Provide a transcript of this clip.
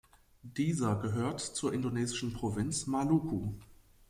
Dieser gehört zur indonesischen Provinz Maluku.